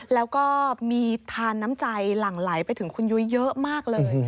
แล้วก็มีทานน้ำใจหลั่งไหลไปถึงคุณยุ้ยเยอะมากเลย